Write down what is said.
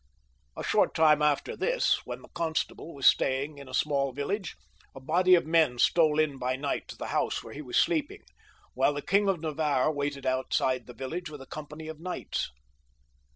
A short time after this, when the constable was staying in a small village, a body of men stole in by night to the house where he was sleeping, while the King of Navarre waited outside the village with a company of knights.